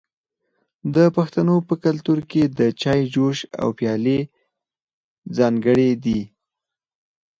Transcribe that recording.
د پښتنو په کلتور کې د چای جوش او پیالې ځانګړي دي.